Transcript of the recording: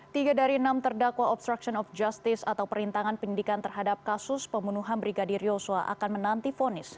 tiga dari enam terdakwa obstruction of justice atau perintangan penyidikan terhadap kasus pembunuhan brigadir yosua akan menanti fonis